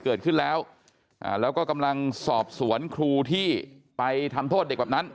เกิดขึ้นแล้วแล้วก็กำลังสอบสวนครูที่ไปทำโทษเด็กแบบนั้น